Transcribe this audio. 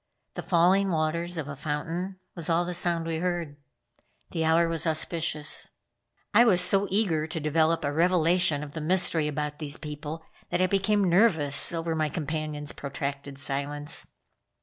The falling waters of a fountain was all the sound we heard. The hour was auspicious. I was so eager to develop a revelation of the mystery about these people that I became nervous over my companion's protracted silence.